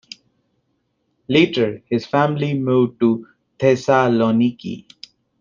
Later, his family moved to Thessaloniki.